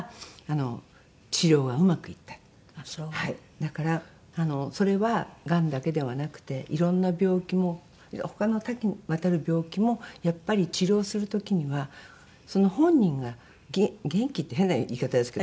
だからそれはがんだけではなくていろんな病気も他の多岐にわたる病気もやっぱり治療する時にはその本人が元気って変な言い方ですけど。